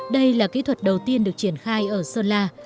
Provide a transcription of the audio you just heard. đây là kỹ thuật đầu tiên được triển khai ở sơn la